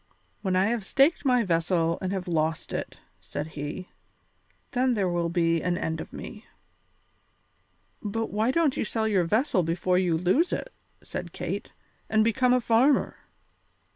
"When I have staked my vessel and have lost it," said he, "then there will be an end of me." "But why don't you sell your vessel before you lose it," said Kate, "and become a farmer?"